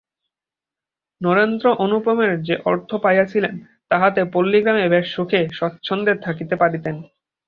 নরেন্দ্র অনুপের যে অর্থ পাইয়াছিলেন, তাহাতে পল্লিগ্রামে বেশ সুখে স্বচ্ছন্দে থাকিতে পারিতেন।